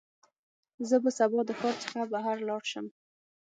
زه به سبا د ښار څخه بهر لاړ شم.